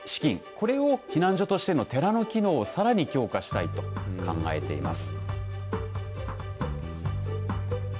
これを避難所としての寺の機能を、さらに強化したいと考えています。